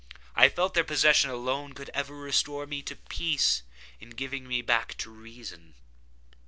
I felt that their possession could alone ever restore me to peace, in giving me back to reason.